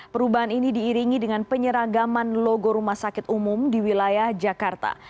perubahan ini diiringi dengan penyeragaman logo rumah sakit umum di wilayah jakarta